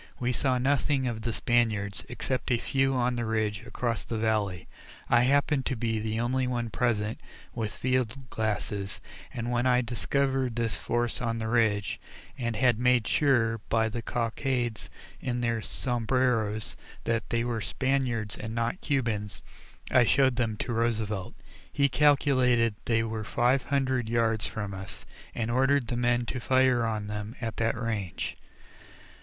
We saw nothing of the Spaniards, except a few on the ridge across the valley. I happened to be the only one present with field glasses, and when I discovered this force on the ridge, and had made sure, by the cockades in their sombreros, that they were Spaniards and not Cubans, I showed them to Roosevelt. He calculated they were five hundred yards from us, and ordered the men to fire on them at that range.